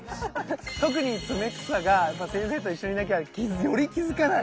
特にツメクサがやっぱ先生と一緒にいなきゃより気付かない。